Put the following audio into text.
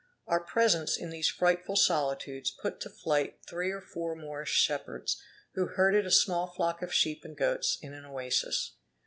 Our presence in these frightful solitudes put to flight three or four Moorish shepherds, who herded a small flock of sheep and goats in an oasis.